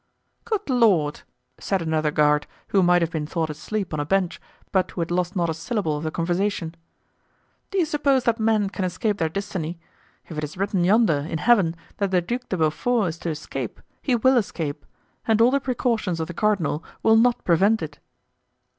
"Good Lord!" said another guard, who might have been thought asleep on a bench, but who had lost not a syllable of the conversation, "do you suppose that men can escape their destiny? If it is written yonder, in Heaven, that the Duc de Beaufort is to escape, he will escape; and all the precautions of the cardinal will not prevent it."